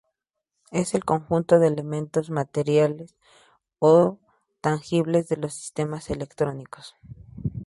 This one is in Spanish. Es el conjunto de elementos materiales o tangibles de los sistemas electrónicos.